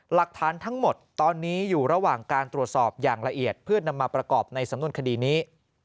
หลักฐานทั้งหมดตอนนี้อยู่ระหว่างการตรวจสอบอย่างละเอียดเพื่อนำมาประกอบในสำนวนคดีนี้